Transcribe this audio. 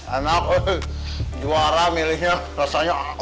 anak juara miliknya rasanya